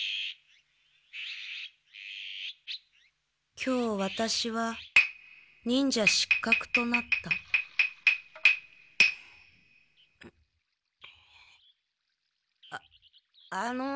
今日ワタシは忍者失格となったあの。